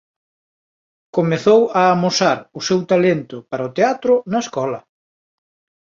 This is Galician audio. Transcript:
Comezou a amosar o seu talento para o teatro na escola.